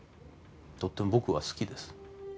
とっても僕は好きです。